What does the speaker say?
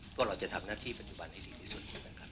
พวกเราจะทำหน้าที่ปัจจุบันให้ดีที่สุดนะครับ